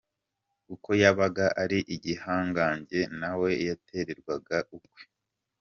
Kuko yabaga ari igihangange, na we yaterekerwaga ukwe.